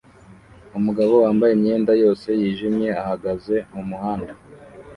Umugabo wambaye imyenda yose yijimye ahagaze mumuhanda